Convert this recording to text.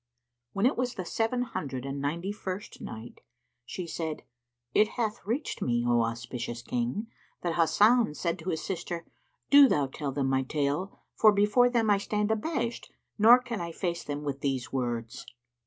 When it was the Seven Hundred and Ninety first Night, She said, It hath reached me, O auspicious King, that Hasan said to his sister, "Do thou tell them my tale, for before them I stand abashed nor can I face them with these words."